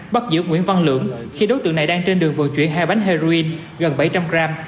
bắt giữ nguyễn văn lưỡng khi đối tượng này đang trên đường vận chuyển hai bánh heroin gần bảy trăm linh gram